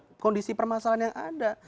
untuk kondisi permasalahan yang ada